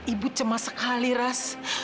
ibu cema sekali ras